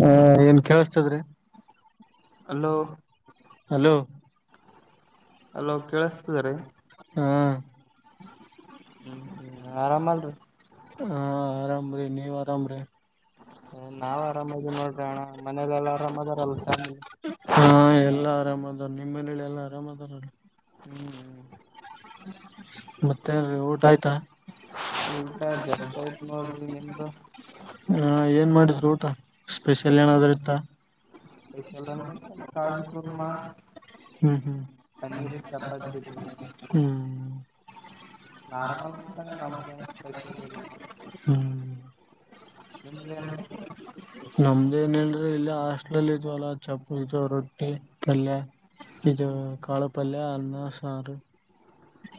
ಹ ಏನ್ ಕೇಳಸ್ತದ್ರಿ ಅಲೋ ಹಲೋ ಅಲೋ ಕೇಳಸ್ತದ್ರೀ ಹ್ಮ ಹ್ಮ್ ಹ್ಮ್ ಆರಾಮಲ್ರಿ ನೀವ ಅರಾಮರಿ ಹ ನಾವ್ ಆರಾಮಾದಿವಿ ನೋಡ್ರಿ ಅಣ್ಣ ಮನೇಲೆೆಲ್ಲಾ ಆರಾಮಾರಲ್ಲ ಚ ಹಾ ಎಲ್ಲಾ ಆರಾಮ್ದಾರ ನಿಮ್ಮ್ ಮನಲಿ ಎಲ್ಲಾ ಆರಾಮ್ದಾರಲ್ಲ ಹ್ಮ್ ಹ್ಮ್ ಮತ್ತೆನರಿ ಊಟ ಆಯ್ತಾ ಊಟ ಜಸ್ಟ್ ಆಯ್ತ್ ನೋಡ್ರಿ ನಿಮ್ದು ಹಾ ಏನ್ ಮಾಡ್ರಿ ಊಟ ಸ್ಪೆಷಲ್ ಏನಾದ್ರೂ ಇತ್ತಾ ಸ್ಪೆಷಲ್ಲ ಕಜು ಕುರ್ಮಾ ಹ್ಮ್ ಹ್ಮ್ ಪನ್ನೀರು ಚಪಾತಿ ಇದು ಹ್ಮ್ ನಾರಮಲ್ ತ ನಮ್ಮತ [unintelligible] ಹ್ಮ್ ನಿಮ್ದ್ ಏನಿತ್ತು ನಮ್ದ ಏನಲ್ರರಿ ಇಲ್ಲಿ ಹಾಸ್ಟ್ಲಲ್ ಇದ್ವಲ್ಲ ಚಪತಿ ರೊಟ್ಟಿ ಪಲ್ಲಯ ಇದು ಹ್ಮ್ ಕಾಳಪಲ್ಲ ಅನ್ನ ಸಾರು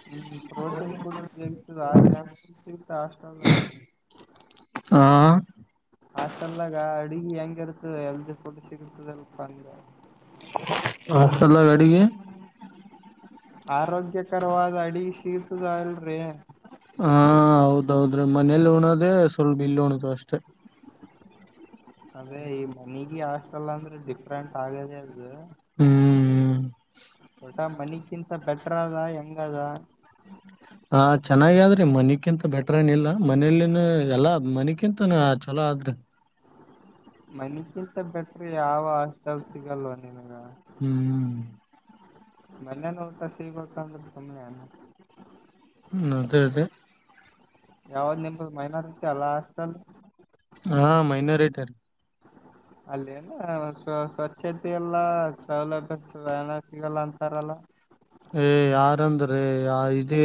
ಹ್ಮ್ ಪ್ರೋಟೀನ್ ಫುಡ್ ಸಿಗತದ ಸಿಗತ ಅಷ್ಟಲ ಅಲ್ಲ ಹಾ ಹಾಸ್ಟೆಲ್ದಾಗ ಅಡ್ಗಿ ಹೆಂಗ ಇರ್ತದ ಎಲ್ದಿ ಫುಡ್ ಸಿಗತದ ಇಲ್ಲಪ್ಪಾ ಅಂದೆ ಹಾಸ್ಟೆಲದಾಗ ಅಡಗಿ ಹಾ ಹೌದು ಆರೋಗ್ಯಕರವಾದ ಅಡಿಗೆ ಸಿಗ್ತದ ಇಲ್ರಿ ಹೌದೌದ್ರಿ ಮನೇಲಿ ಉಣದೆೇ ಸ್ವಲ್ಪ ಇಲ್ಲಿ ಉಣತಿವಿ ಅಷ್ಟೇ ಅದೇ ಈ ಮನೆಗ ಹಾಸ್ಟೆಲ್ ಅಂದ್ರೆ ಡಿಫ್ರೆಂಟ್ ಆಗದೇ ಅದು ಹ್ಮ್ ಹ್ಮ್ ಟ ಮನಗಿಂತ ಬೆಟರ್ ಅದ ಹೆಂಗ್ ಅದ ಮನಗಿಂತ ಬೆಟ್ರನ ಇಲ್ಲ ಮನೇಲಿನು ಎಲ್ಲಾ ಮನಗಿಂತನು ಚಲೋ ಆದ್ರಿ ಹ್ಮ ಮನಗಿಂತ ಬೆಟರ್ ಯಾವ ಹಾಸ್ಟೆಲ್ ಸಿಗಲೋ ನಿನ್ಗ ಹ್ಮ್ ಹ್ಮ್ ಮನ್ಯನ ಊಟಾ ಸಿಗ್ಬೇಕಂದ್ರೆ ಸುಮ್ನೆನೆನ್ನು ಅದೇ ಅದೇ ಯಾವ್ದ್ ನಿಮದು ಮೈನಾರಿಟ ಅಲ್ಲ ಹಾಷ್ಟಲ್ಲ ಹಾ ಮೈನೋರಿಟಿ ರೀ ಅಲ್ಲಿ ಏನ ಸ್ವ ಸ್ವಚ್ಛತೆ ಎಲ್ಲ ಸೌಲಭ್ಯ ಏನ ಸಿಗಲ್ಲ ಅಂತಾರಲ್ಲ ಹೇ ಯಾರಂದ್ರೆ ಇದೀ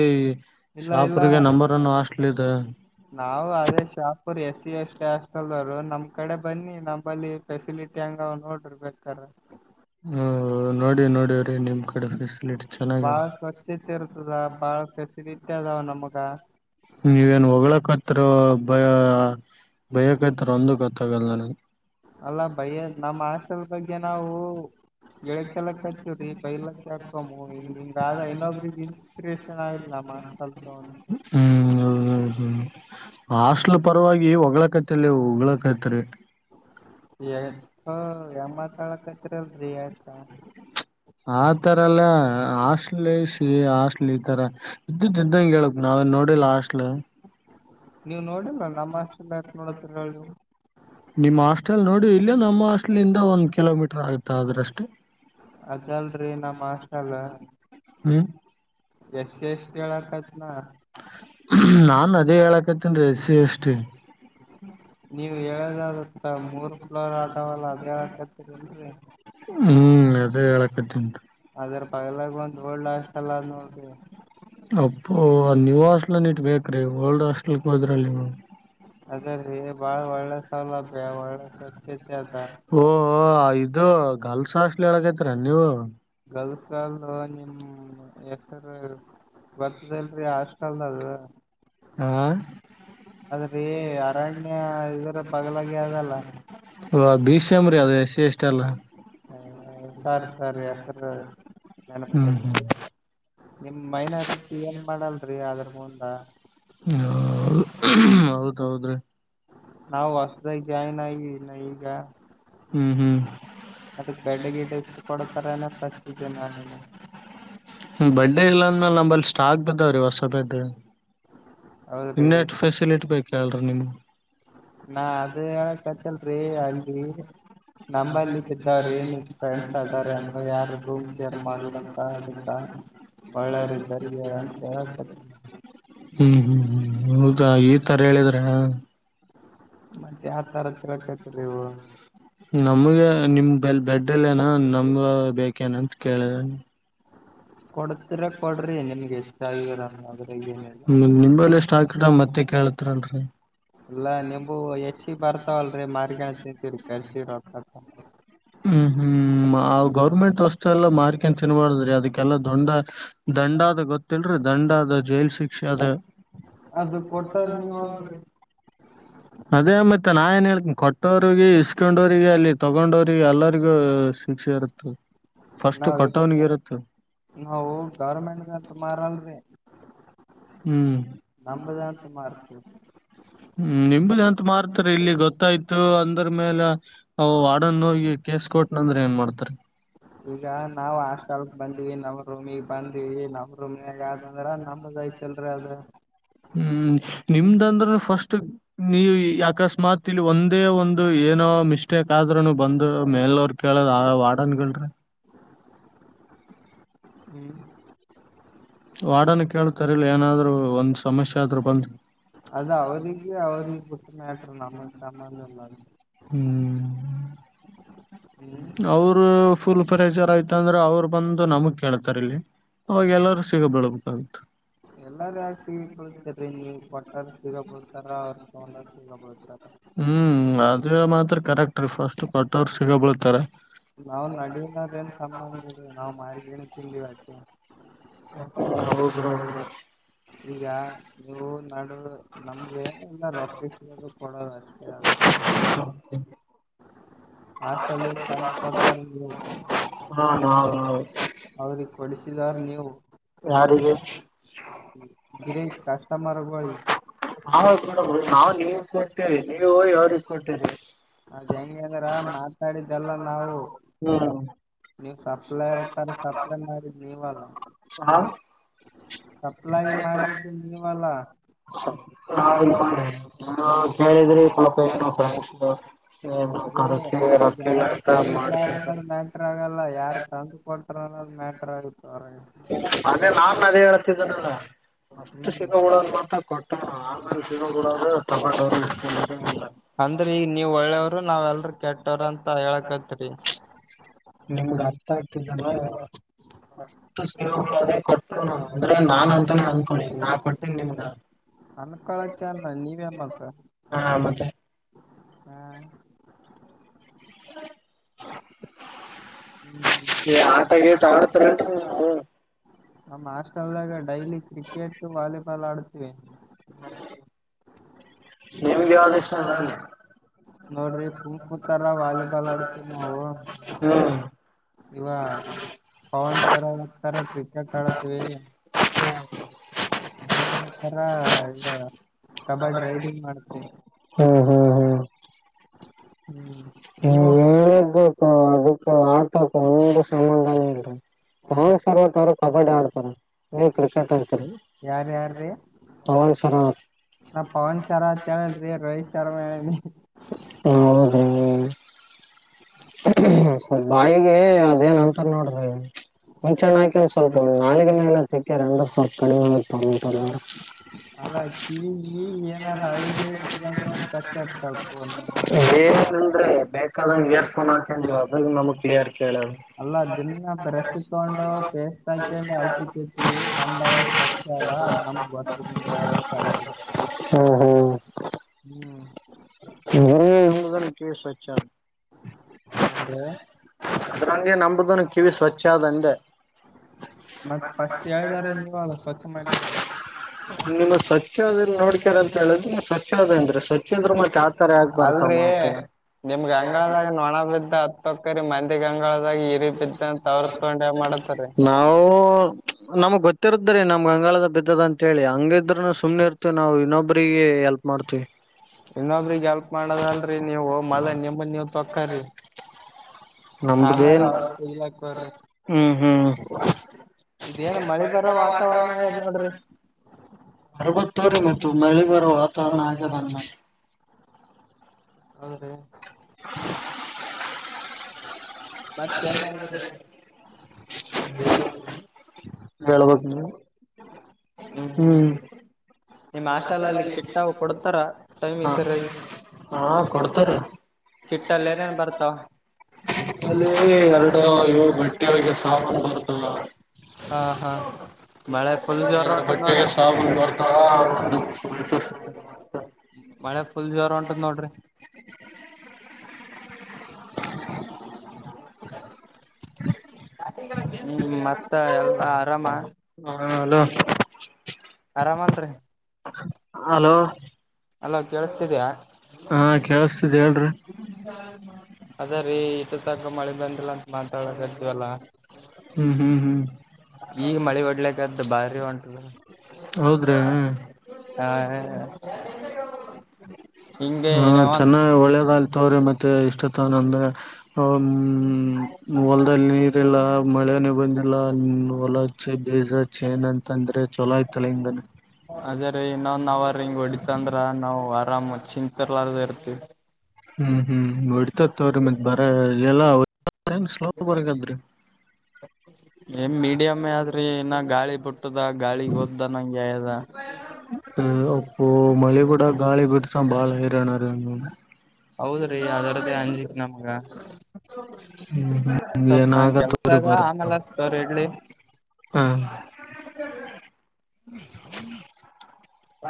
ಇಲ್ಲ ಇಲ್ಲ ಶಾಪುರ ಗೆ ನಂಬರ್ ಒನ್ ಹಾಸ್ಟೆಲ್ [unintelligible] ನಾವು ಅದೇ Shahapur S C S T hostel ನಮ್ ಕಡೆ ಬನ್ನಿ ನಂಬಲ್ಲಿ ಫೆಸಿಲಿಟಿ ಹಂಗ್ ನೋಡ್ರರ್ ಬೇಕಾರೆ ಹ್ಮ್ ನೋಡಿ ನೋಡಿವ್ರೀ ನಿಮ್ಮ್ ಕಡೆ ಫೆಸಿಲಿಟಿ ಚೆನ್ನಾಗಿ ಬಾಳ ಸ್ವಚ್ಛತೆ ಇರ್ತದ ಬಾಳ ಫೆಸಿಲಿಟಿ ಅದಾವ ನಮಗ ನೀವೇನ್ ಹೊಳಕತ್ತಿರಾ ಬಯ ಬಯಕತ್ತೀರಾ ಒಂದು ಗೊತ್ತಾಗಲ್ಲ ನಂಗ ಅಲ್ಲಾ [unintelligible] ನಮ್ಮ ಹಾಸ್ಟೆಲ್ ಬಗ್ಗೆ ನಾವು [unintelligible] ಎಲ್ಲಕ್ ಹಚ್ಚೀವ್ರರಿ ಬೈಲಕ್ ಹಾಕೋಮ ಹಿಂಗ ಹಿಂಗ ಆದ ಇನ್ನೊಬ್ರಿಗೆ ಇನ್ಸ್ಪಿರೇಷನ್ ಆಯಿಲ್ಲ [unintelligible] ಹ್ಮ್ ಹ್ಮ ಹ್ಮ್ ಹಾಸ್ಟ್ಲ್ ಪರವಾಗಿ ಹೊಗ್ಕತಿಲ್ಲಿ ಹೊಗ್ಕೈತ್ರಿ [unintelligible] ಮಾತಾಡಕತ್ರಿಲ್ರಿ ಆಯ್ತಾ ಆತರಲ್ಲ ಹಾಸ್ಟೆಲ್ ಹಾಸ್ಟೆಲ್ ಈತರ ಇದ್ದ ಇದ್ದಂಗೆ ಹೇಳ್ ನಾವ ನೋಡಿ ಹಾಸ್ಟೆಲ್ ನೀವು ನೋಡಿಲ್ಲ ನಮ್ಮ ಹಾಸ್ಟೆಲ್ ಯಕ ನೋಡತಿರ ನೀವು ನಿಮ್ಮ ಹಾಸ್ಟೆಲ್ ನೋಡಿ ಇಲ್ಲ ನಮ್ಮ್ ಹಾಸ್ಟೆಲಿಂದ ಒಂದ್ ಕಿಲೋಮೀಟರ್ ಆಗುತ್ತೆ ಅದ್ರಷ್ಟೆ ಅದಲ್ರಿ ನಮ್ಮ್ ಹಾಸ್ಟೆಲ್ ಹ್ಮ್ ಎಸ್ ಸಿ ಎಸ್ ಟಿ ಹೇಳಾಕತೀನಿ ನಾ ನಾನ್ [unintelligible] ಎಸ್ ಸಿ ಎಸ್ ಟಿ ನೀವ್ ಹೇಳದಾಗುತ್ತ ಮೂರ್ ಫ್ಲೋರ್ ಆದಾವಲ್ಲ ಅದ ಹೇಳಕತ್ತೀರಿ ಅಲ್ರರಿ ಹ್ಮ್ ಅದೇ ಹೇಳಕತಿನ್ರಿ ಅದ್ರ ಪಕ್ಕಾದ್ದಾಗ ಒಂದ್ ಓಲ್ಡ್ ಹಾಸ್ಟೆಲ್ ಅದ್ ನೋಡ್ರಿ ಅಪ್ಪೋ ನೀವು ಹಾಸ್ಟಲನ್ ಇಟ್ಬೇಕುರೀ ಓಲ್ಡ್ ಹಾಸ್ಟೆಲ್ಗೆ ಹೋದ್ರಲ್ಲಿ ನೀವು ಅದೇ ರೀ ಬಾಳ್ ಒಳ್ಳೆ ಸೌಲಭ್ಯ ಒಳ್ಳೆ ಸ್ವಚ್ಛ ಓಹೋ ಇದು ಗರ್ಲ್ಸ್ ಹಾಸ್ಟೆಲ್ ಹೇಳಕತೀರಾ ನೀವು ಗಲ್ಸ್ ಅಲ್ಲಾ [unintelligible] ಬರ್ತದಲ್ರರಿ ಹಾಸ್ಟೆಲ್ದಾಗ ಹಾ ಅದ್ರೀ ಅರಣ್ಯ ಇದ್ರ ಬಗ್ಲಾಗಿ ಅದಲ್ಲ [unintelligible] ಅದು ಎಸ್ ಸಿ ಎಸ್ ಟಿ ಅಲ್ಲ ಹಾ ಸಾರೀ ಸಾರೀ ಹೆಸರು [inaudible] ಹ್ಮ್ ನೇಪಾಯ್ತು ನಿಮ್ ಮೈನಾರಿಟಿ ಏನ್ ಮಾಡಲ್ರಿ ಅದ್ರ ಮುಂದ [unintelligible] ಹೌದೌದು ರೀ ನಾವು ಹೊಸದಾಗಿ ಜಾಯ್ನ್ ಆಗಿನ ಈಗ ಹ್ಮ್ ಹ್ಮ್ ಅದ ಬೆಡ್ ಗಿದು ಎಷ್ಟು ಕೊಡತಾರ ಏನಂತ ಹಚ್ಚಿದ್ದೇ ನಾನುನು ಬೆಡ್ ಇಲ್ಲ ಅಂದ್ಮೇಲೆ ನಂಬಲ್ಲಿ ಸ್ಟಾಕ್ ಬಿದ್ದಾವ್ರೀ ಹೊಸ ಬೆಡ್ ಹೌದ್ರಿ ಇನ್ನ ಎಷ್ಟು ಫೆಸಿಲಿಟಿ ಬೇಕ ಹೇಳರಿ ನಿಮ್ಗೆ ನಾ ಅದ ಹೇಳಾಕತ್ತಿಳ್ರಿ ಅಲ್ಲಿ ನಂಬಲ್ಲಿ ಇದ್ದವರು ಏನ ಫ್ರೆಂಡ್ಸ್ [unintelligible] ಯಾರ ರೂಮ್ ಶೇರ್ ಮಾಡ್ಲ ಅಂತ ಅದಕ್ಕ [inaudible] ಒಳ್ಳೆಯವರು ಇದಾವರಿಗೆ ಹೇಳು ಅಂತ ಹೇಳಕ್ ಹ್ಮ್ ಹ್ಮ್ ಹ್ಮ್ ಹೌದ ಈ ತರ ಹೇಳಿದ್ರ ಮತ್ತೆ ಯಾವ್ ತರ ತಿಳ್ಕತೀರಾ ನೀವು ನಮಗೆ ನಿಮ್ ಬೆಡ್ ಇಲ್ಲ ಏನೋ ನಮಗ ಬೇಕೇನಂತ ಕೇಳಿದ ಕೊಡ್ತರ ಕೊಡ್ರಿ ನಿಮ್ಗೆ ಹೆಚ್ಚಾಗಿದರಲ್ಲ ಅದ್ರಗ ಏನಿಲ್ಲ ನಿಂಬಲ್ಲಿ ಸ್ಟಾಕ್ ಮತ್ತೆ ಕೇಳತ್ರಲ್ರಿ ಇಲ್ಲಾ ನಿಂಬು ಹೆಚ್ಚಿಗೆ ಬರ್ತಾವಲ್ರರಿ ಮಾರಿ ಕಣಂತೀರಿ ಕಲ್ತೀರ [unintelligible] ಹ್ಮ್ ಹ್ಮ್ ಗೌರ್ಮೆಂಟ್ ವಾಸು ಎಲ್ಲ ಮಾರ್ಕೊಂಡು ತಿನ್ಬಾರದ್ರಿ ಅದಕ್ಕೆಲ್ಲಾ ದೊಂಡ ದಂಡ ಆದ ಗೊತ್ತಲ್ರಿ ದಂಡ ಆದ ಜೈಲ್ ಶಿಕ್ಷೆ ಆದ ಅದು ಕೊಟ್ಟವ್ರ ನೀವಲ್ರಿ [unintelligible] ಅದೇ ಮತ್ತೆ ನಾ ಏನ್ ಹೇಳ್ತೀನಿ ಕೊಟ್ಟೋರಿಗೆ ಇಸ್ಕೊಂಡ್ರಿಗೆ ಅಲ್ಲಿ ತಗೊಂಡೋರಿಗೆ ಎಲ್ಲರಿಗೂ ಶಿಕ್ಷೆ ಇರುತ್ತೆ ಫಸ್ಟ್ ನಾವ್ ಕಟ್ಟೋನ್ಗೆ ಇರುತ್ತೆ ನಾವು ಗೌರ್ಮೆಂಟ್ಂತ ಮಾರಲ್ರಿ ಹ್ಮ್ ನಮ್ದಂತ ಮಾರ್ತೀವಿ ಹ್ಮ್ ನಿಂಬಲಿ ಅಂತ ಮಾರ ಆ ಇಲ್ಲಿ ಗೊತ್ತಾಯ್ತು ಅಂದ್ರ ಮೇಲೆ ಅ ವಾಡನ್ ಹೋಗಿ ಕೇಸ್ಕೋಟ್ನ ಅಂದ್ರೆ ಏನ್ ಮಾಡ್ತಾರ ಈಗ ನಾವ ಹಾಸ್ಟೆಲ್ ಬಂದಿವವಿ ನಮ್ ರೂಮಗ್ ಬಂದಿವವಿ ನಮ್ ರೂಮ್ ಯಂದ್ರ ನಮ್ಮದ ಐತಲ್ರರಿ ಅದು ಹ್ಮ್ ನಿಮ್ದಂದ್ರ ಫಸ್ಟ್ ನೀವು ಅಕಸ್ಮಾತ್ ಮ ಇಲ್ ಒಂದೇ ಒಂದು ಏನೋ ಮಿಸ್ಟೇಕ್ ಆದ್ರೂನು ಬಂದ್ ಮೇಲವರ್ ಕೇಳದ ವಾರ್ಡನ್ ಗಲ್ರಿ [unintelligible] ತರಲ್ಲಿ ಏನಾದರರು ಒಂದು ಸಮಸ್ಯೆ ಆದರೂ ಬಂದು ಅದು ಅವ್ರಿಗೆ ಅವ್ರಿಗೆ ಬಿಟ್ಟ ಮ್ಯಾಟರ್ ಅದು ನಮಗೆ ಸಂಬಂಧ ಇಲ್ಲ ಅದು ಹ್ಮ್ ಹ್ಮ್ ಅವರು ಫುಲ್ ಪ್ರೆಷರ್ ಆಯ್ತ ಅಂದ್ರ ಅವ್ರು ಬಂದು ನಮಗ್ ಕೇಳ್ತಾರೆ ಇಲ್ಲಿ ಅವಾಗೆಲ್ಲರುೂ ಸಿಗ ಬಿಲ್ಬೆಕ್ ಆಗತ್ತ ಎಲ್ಲರು ಯಾಕ ಸಿಗಿ ಬೀಳ್ತೀರಿ ನೀ ಕೊಟ್ಟಾರ ಸಿಗ ಬತಾರ ಅವ್ರು [unintelligible] ಕರೆಕ್ಟ ಫಸ್ಟ್ ಕಟೋರ್ ಸಿಗ ಬೀಳುತ್ತಾರೆ ನಾವ್ ನಡಿನದೇನ್ ಸಂಬಂಧ ನಾವ ಮಾಡಿಡಿ ಏನ್ ತಿಂದಿವವಿ ಅಕೆ ಹ ಹೌದ ಹೌದು ಈಗ ನೀವು ನಡು ನಮ್ದೆ ಎಲ್ಲ ರೊಕ್ಕ ಕೊಡೋದು ಅಷ್ಟ [inaudible] ಹಾಸ್ಟಲ್ಲಿ ಇಂದ ತಂದು ಕೊಡ್ಟ್ಟಾರ ನೀವು ಹಾ ಹಾ ಹೂ ಅವ್ರಿಗೆ ಕೊಡಿಸಿದವ್ರ ಯಾರಿಗೆ ಗಿರಿನ್ ಕಸ್ಟಮರ್ ಗೋಳಿಗ ನಾವ ಕೊಡಬುದು ನಾವು ನಿಮಗ ಕೊಟ್ಟೇರಿ ನೀವು ಇವ್ರಿಗೆ ಕೊಟ್ಟೇರಿ ಅದ್ ಹೆಂಗೆ ಅಂದ್ರ ಮಾತಾಡಿದ್ದಲ್ಲ ನಾವು ಹ್ಮ್ ನೀವು ಸಪ್ಲೈರ್ ಸರ್ ಸಪ್ಲೈ ಮಾಡಿದ ನೀವಲ್ಲ ಹ ಸಪ್ಲೈ ಮಾಡಿದ್ದು ನೀವಲ್ಲಾ [unintelligible] ಏನೋ ಅದೇ ಕರ್ಸಿ ಈಗ ಯಾರ ರೊಕ್ಕ ಕೇಳಿದ ಯಾರ ಮಾಡ್ತ ಅನ್ನ ಮ್ಯಾಂಟರ್ ಆಗಲ್ಲ ಯಾರು ತಂದು ಕೊಡ್ತಾರ ಅನ್ನೋ ಮ್ಯಾಟರ್ ಆಗತ ಮಾರಯ್ಯ ಅದೇ ನಾನ್ ಅದೇ ಹೇಳತಿದ್ದನಲ್ಲ ಅಷ್ಟು ಹ್ಮ್ ಸಿಗೋಬಡೋದು ಮಾತ್ರ ಕೊಟ್ಟ ಆ ಸಿಗೋ ಬಿಡದ್ರ [unintelligible] ಅಂದ್ರ ಈಗ ನೀವ್ ಒಳ್ಳೇವರು ನಾವ್ ಎಲ್ರ ಕೆಟ್ಟವ್ರ ಅಂತ ಹೇಳಕತ್ರಿ ನಿಮಗ ಅರ್ಥ ಆಗ್ತಿಲ್ಲ ಲಾ ಮ ಅದೇ ಕೊಟ್ಟೇ ಅಂದ್ರೆ ನಾನ್ ಅಂತಾನೇ ಅಂದಕೊಂಡಿ ನಾನ್ ಕೊಟ್ಟನ ನಿಮಗ ಅಂಕೋಲೋದ ಚಂದ ನೀವೇನ ಮತ್ತ ಹಾ ಮತ್ತೆ ಹ್ಮ್ ಈ ಆಟಗಿಟ್ ಆಡ್ [unintelligible] ನಮ್ಮ ಹಾಸ್ಟೆಲ್ದಾಗ ಡೈಲಿ ಕ್ರಿಕೆಟ್ ವಾಲಿಬಾಲ್ ಆಡುತ್ತಿವಿ ನಿಮ್ಗೆ ಯಾವ್ದ ಇಷ್ಟ ನಾ ನೋಡ್ರಿ ಸುಮ್ಮ ಕುಂತು ಆರ ವಾಲಿಬಾಲ್ ಆಡ್ತೀವಿ ನಾವು ಹ್ಮ್ ಇವ ಪವನ್ ಶರಾ ತರ ಕ್ರಿಕೆಟ್ ಆಡುತ್ತವಿ ಬೂಮ್ರ ತರ ಎಲ್ಲ ಕಬಾಡಿ ರೈಡಿಂಗ್ ಮಾಡುತ್ತೆ ಹ್ಮ್ ಹ್ಮ್ ಹ್ಮ್ ಹ್ಮ್ ನೀವು ಹೇಳ ಅದಕ್ಕ ಆಟೋಕ್ ಒಂದ್ ಡೇಸ್ ಲೀವ್ ಇಲ್ಲ ಇಲ್ಲಿ ಹಾ ಸರ್ವ ತರ ಕಬಡ್ಡಿ ಆಡ್ತರ ಯಾರ್ಯಾರ್ರೀ [unintelligible] ನಾ ಪವನ್ ಶರತ್ ಅಡ್ತ್ ಹೇಳಿದ್ರಿ ರೋಹಿತ್ ಶರ್ಮ ಹೇಳಿ [unintelligible] ಸ್ವಲ್ಪ್ ಬಾಯಿಗೆ ಅದೇನ್ ಅಂತಾರ ನೋಡ್ರ ಮುಂಚೆಳಿಕಿ ಸ್ವಲ್ಪ ನಾಲಿಗೆ ಮೇಲೆ ತೆಕ್ಕಾರಂದ್ರ ಸ್ವಲ್ಪ ಕಡಿಮ ಆತ್ ಅಂತಾರ. [unintelligible] ಅಲ್ಲ ಕಿವಿಗಿ ಏನಾರ ಹಳಿಗೆಳಿ ಇಟ್ಕಂಡ್ರ ಅಂತ್ ಕಟ್ಟ ತಲ್ ಫೋನು. ಅದ್ ಬೇಕಾದಂಗ್ ಏರ್ ಫೋನ್ ಹಾಕೊಂಡಿವ ಅದ್ರ ನಮಗ್ ಕ್ಲಿಯರ್ ಕೇಳದ್ ಅಲ್ಲ ದಿನ ಬ್ರೆಶ್ ತಗೊಂಡು ಪೇಸ್ಟ್ ಹಾಕ್ಯಂಡು ಹಲ್ ತಿಕ್ಕಿರ್ತೀವಿ ನಮ್ ಬಾಯಿ ಫ್ರೆಶ ಅಗ ಹ ನಮ್ಗ್ ಗೊತ್ತದ್ ನಿಮ್ ಬಳಗ [unintelligible] ಹ್ಮ್ [unintelligible] ಕೆ ಸ್ವಚ್ಛ ಏನ್ರೀ ಅದರಂಗೆ ನಂದುದುನು ಕಿವಿ ಸ್ವಚ್ಛ ಅದಂದೆ. ಮತ್ತ್ ಫಸ್ಟ್ ಯಾವ್ದಾರೆ ನೀವ್ ಅಲ್ಲ ಸ್ವಚ್ ಮಾಡಿದ್ದ ನಿಮ ಸ್ವಚ್ಛ ನೋಡ್ಕ್ಯಾರ ಅಂತ ಹೇಳಿದ್ರ ಸ್ವಚ್ವಾದ ಅಂದ್ರೆ ಸ್ವಚ್ಛಂದ್ರ ಮತ್ತ್ ಆ ಅಲ್ರಿ ನಿಮಗ ಅಂಗಳದಾಗ ನೊಣ ಬಿದ್ದ ಹತ್ತೊಕ್ಕರಿ ಮಂದಿಗ್ ಅಂಗಳ ಮಾಡತಾರಿ ನಾವು ನಮ್ಗ್ ಗೊತ್ತಿರತ್ರಿ ನ ನಮ ಅಂಗಾಳದ ಬಿದ್ದದ ಅಂತೇಳಿ ಹಂಗಿದ್ರುನು ಸುಮ್ನೆ ಇರ್ತೀವಿ ನಾವು ಇನ್ನೊಬ್ರಿಗೆ ಎಲ್ಪ್ ಮಾಡ್ತೀವಿ. ಇನ್ನೊಬ್ರಗ್ ಎಲ್ಪ್ ಮಾಡದಲ್ರಿ ನೀವು ಮಲ ನಿಮ್ಮನ್ ನೀವ ತೊಕ್ಕ ರಿ. ನಮ್ದ್ ಬೀ ಇಗ್ಲಾಕ್ ಬರ್ರೀ. ಇದೇನ್ ಮಳಿ ಬರೋ ವಾತಾವರಣ ಅಯ್ದ್ ನೋಡ್ರಿ. ಅರವತ್ತರು ಮತ್ತು ಮಳೆ ಬರುವ ವಾತಾವರಣ ಆಗದಣ್ಣ. ಹೌದ್ರಿ ಮತ್ತೆನ್ ನಡ್ದದ ಹೇಳ್ಬೇಕು ನೀವ್ ಹ್ಮ್ ಹ್ಮ್ ನಿಮ್ ಹಾಸ್ಟೆಲಲ್ಲಿ ಕಿಟ್ಟ ಕೊಡ್ತಾರ ಹಾ ಟೈಮಿಗ್ ಸರ್ಯಾಗಿ. ಹಾ ಕೊಡ್ತಾರೆ ಕಿಟ್ಟಲ್ ಎನೇನ್ ಬರ್ತ ಕಿಟ್ಟಲ್ಲಿ ಎರಡು ಇವ್ ಬಿಟ್ಟಿ [unintelligible] ಹಾ ಹಾ ಮಳೆ ಫುಲ್ ಜೋರ್ ಎರಡು ಹೊಂಟದ್ ಬಟ್ಟೆಗೆ ನೋಡ್ರಿ ಸಾಬುನ್ ಕೊಡ್ತಾರ. ಮಳೆ ಫುಲ್ ಜೋರ್ ಹೊಂಟದ್ ನೋಡ್ರಿ [inaudible] [inaudible] ಹ್ಮ್ ಮತ್ತ ಎಲ್ಲ ಆರಾಮ. ಹಾ ಹಲೋ ಆರಾಮಲ್ರಿ ಹಲೋ ಹಲೋ ಕೇಳಿಸ್ತಿದಿಯ. ಹಾ ಕೇಳಸ್ತಿದೆ ಹೇಳ್ರಿ ಅದ ರೀ ಇತ್ ತಕ ಮಳೆ ಬಂದಿಲ್ಲ ಅಂತ ಮಾತಾಡಕತ್ವಲ್ಲ. ಹ್ಮ್ ಹ್ಮ್ ಹ್ಮ್ ಈಗ ಮಳೆ ಓಡ್ಲಕ್ಕಾದ್ದು ಬಾರಿ ಉಂಟದ್ರ್ ಹೌದ್ರಿ ಹಾ [unintelligible] ಹಾ ಚಲೋ ಒಳ್ಳೆದಾಗ್ಲ್ ತವ್ರ ಮತ್ತೆ ಇಷ್ಟ ತಾನಂದು ಹೊಲ್ದಲ್ಲಿ ನೀರಿಲ್ಲ. ಮಳೆನೆ ಬಂದಿಲ್ಲ ಹೊಲ ಹಚ್ಚ್ ಬೀಜ ಹಚ್ಚನ್ ಅಂತಂದ್ರೆ ಚೊಲೋ ಆಯ್ತಲ್ಲ ಹಿಂಗನ್ ಅದೇ ರೀ ಇನ್ನೊನ್ ಅವರ್ ಹಿಂಗ್ ಹೊಡಿತಂದ್ರ ನಾವು ಆರಾಮ್ ಚಿಂತಿರ್ಲಾರದ ಇರ್ತಿವಿ. ಹ್ಮ್ ಹ್ಮ್ ಹೊಡ್ತತ್ ತೋರಿ ಮತ್ ಬರೆ ಇಲ್ಲೆಲ್ಲಾ ಏನ್ ಮೀಡಿಯಂ ಆದ್ರೆ ಇನ್ನ ಗಾಳಿ ಬು ಟ್ಟದ ಗಾಳಿ ಓದ್ದ ನಂಗ್ ಆಗ್ಯದ ಅಪ್ಪೋ ಮಳೆ ಕೂಡ ಗಾಳಿ ಬಿಡತಾ ಬಾಳ ಹೈರನ ರ ಹೌದ್ರಿ ರಿ ಅದರದ್ದೇ ಅಂಜಿಕ್ ನಮ್ಗ ಹ್ಮ್ ಸ್ವಲ್ ಏನ್ ನಂಗ್ ಕೆಲ್ಸ ಆಗತ್ತವ್ರಿ ಅದ ಬರತ್ ಆಮೇಲೆತವ್ರ ಇಡ್ಲಿ ಹ ಬ